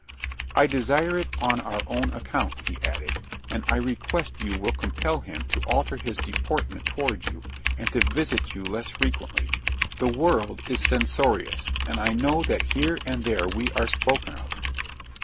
"I desire it on our own account," he added; "and I request you will compel him to alter his deportment toward you, and to visit you less frequently. The world is censorious, and I know that here and there we are spoken of."